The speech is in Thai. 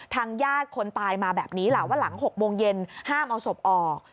ทางญาติคนตายมาแบบนี้แหละว่าหลัง๖โมงเย็นห้ามเอาศพออก